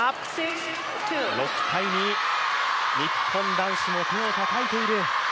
日本男子も手をたたいている。